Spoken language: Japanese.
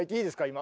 今。